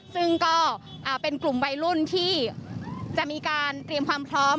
ซึ่งก็เป็นกลุ่มวัยรุ่นที่จะมีการเตรียมความพร้อม